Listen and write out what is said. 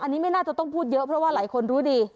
อันนี้ไม่น่าจะต้องพูดเยอะเพราะว่าหลายคนรู้ดี